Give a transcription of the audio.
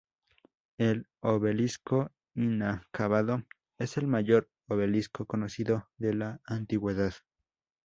El obelisco inacabado es el mayor obelisco conocido de la antigüedad.